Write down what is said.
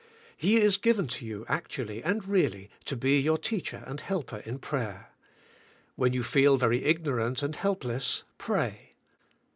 He is given to you actually and really to be your teacher and helper in prayer. When you feel very ig*norant and helpless, pray.